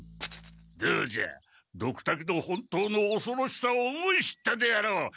どうじゃドクタケの本当のおそろしさを思い知ったであろう。